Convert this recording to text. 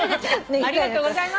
ありがとうございます。